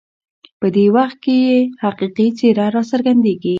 په دې وخت کې یې حقیقي څېره راڅرګندېږي.